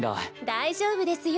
大丈夫ですよ